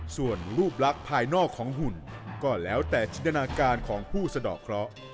ส่วนรูปลักษณ์ภายนอกของหุ่นก็แล้วแต่จินตนาการของผู้สะดอกเคราะห์